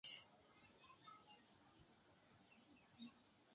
সেই থেকেই তার শান্তিনিকেতনে বাস।